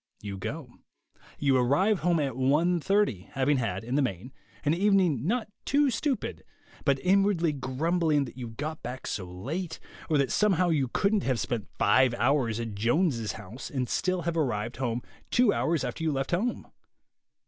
You go. You arrive home at 1 :30, having had, in the main, an evening not too stupid, but inwardly grumbling that you got back so late, or that somehow you couldn't have spent five hours at Jones's house and still have arrived home two hours after you left home.